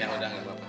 ya udah gak apa apa